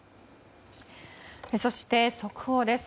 そして速報です。